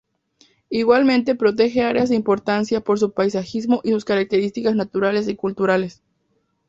Igualmente protege áreas de importancia por su paisajismo y sus características naturales y culturales.